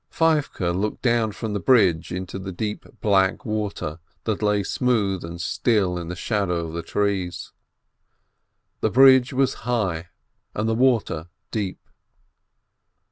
Feivke looked down from the bridge into the deep, black water that lay smooth and still in the shadow of the trees. The bridge was high and the water deep